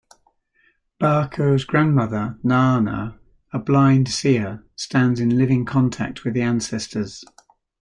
Baako's grandmother Naana, a blind-seer, stands in living contact with the ancestors.